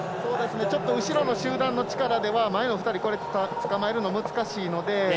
後ろの集団の力では前の２人つかまえるの難しいので。